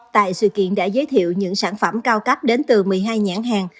tại sự kiện đã giới thiệu những sản phẩm cao cấp đến từ một mươi hai nhãn hàng